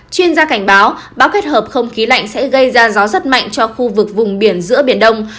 chuyên gia cảnh báo bão kết hợp không khí lạnh sẽ gây ra gió rất mạnh cho khu vực vùng biển giữa biển đông